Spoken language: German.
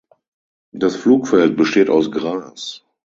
Das Flugfeld besteht aus Gras.